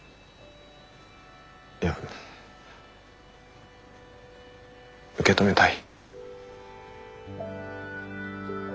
いや受け止めたい。